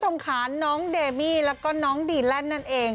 ตรงค้านน้องเดมีแล้วก็น้องใดแล้นนั่นเอง